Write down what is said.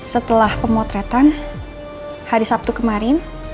setelah pemotretan hari sabtu kemarin